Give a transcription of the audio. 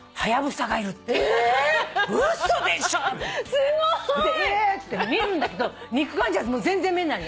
すごい！それでえっつって見るんだけど肉眼じゃ全然見えないの。